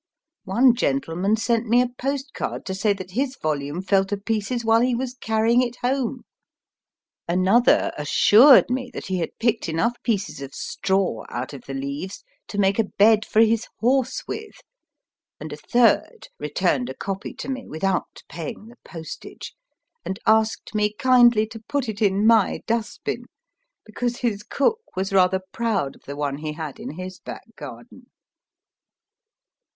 One gentleman sent me a postcard to say that his volume fell to pieces while he was carrying it home. Another assured me that he had picked enough pieces of straw out of the leaves to make a bed for his horse with, and a third returned a copy to me without paying the postage, and asked me kindly to put it in my dustbin, because his cook was rather proud of the one he had in his back garden.